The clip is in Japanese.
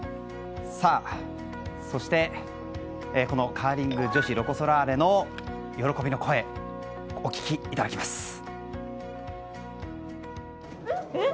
そして、このカーリング女子ロコ・ソラーレの喜びの声お聞きいただきます。